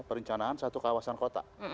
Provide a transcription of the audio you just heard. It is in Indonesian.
perencanaan satu kawasan kota